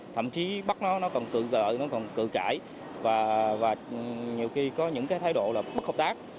thậm chí bắt nó nó còn cự gợi nó còn cự cãi và nhiều khi có những cái thái độ là bất hợp tác